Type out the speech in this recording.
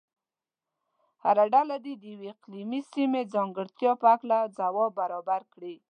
هره ډله دې د یوې اقلیمي سیمې ځانګړتیا په هلکه ځواب برابر کړي.